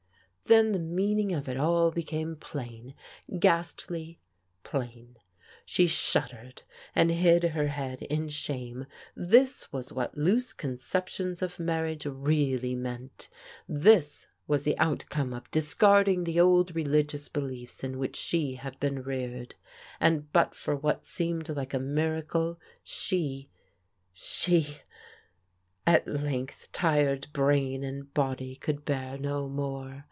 Then the meaning of it all became plain, ghastly plain. She shuddered, and hid her head in shame. This was what loose conceptions of marriage really meant. This was the outcome of discarding the old religious beliefs in which she had been reared. And but for what seemed like a miracle she — she At length tired brain and body could bear no more.